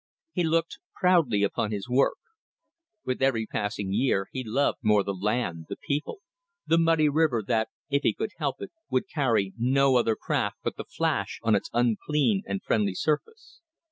He looked proudly upon his work. With every passing year he loved more the land, the people, the muddy river that, if he could help it, would carry no other craft but the Flash on its unclean and friendly surface.